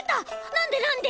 なんでなんで？